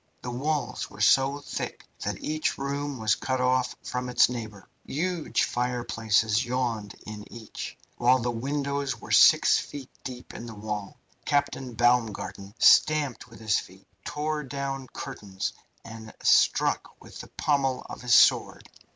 The walls were so thick that each room was cut off from its neighbour. Huge fireplaces yawned in each, while the windows were 6ft. deep in the wall. Captain Baumgarten stamped with his feet, tore down curtains, and struck with the pommel of his sword.